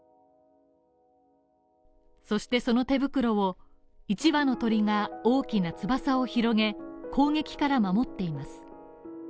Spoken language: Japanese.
そして、その手袋を１羽の鳥が大きな翼を広げ、攻撃から守っています。